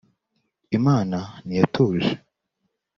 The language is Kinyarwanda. Imana ntiyatuje